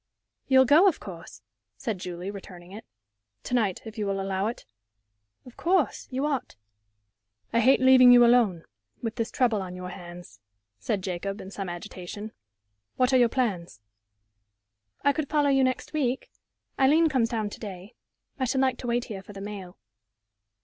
"You'll go, of course?" said Julie, returning it. "To night, if you allow it." "Of course. You ought." "I hate leaving you alone, with this trouble on your hands," said Jacob, in some agitation. "What are your plans?" "I could follow you next week. Aileen comes down to day. And I should like to wait here for the mail."